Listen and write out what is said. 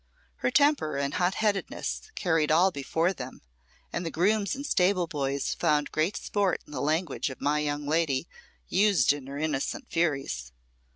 Her temper and hot headedness carried all before them, and the grooms and stable boys found great sport in the language my young lady used in her innocent furies.